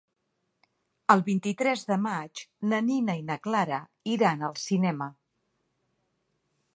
El vint-i-tres de maig na Nina i na Clara iran al cinema.